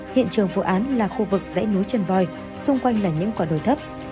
hiện trường vụ án là khu vực dãy núi trần voi xung quanh là những quả đồi thấp